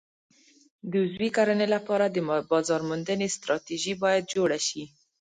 د عضوي کرنې لپاره د بازار موندنې ستراتیژي باید جوړه شي.